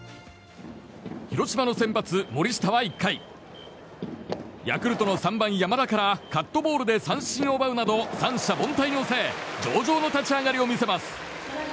広島の先発、森下は１回ヤクルトの３番、山田からカットボールで三振を奪うなど三者凡退に抑え上々の立ち上がりを見せます。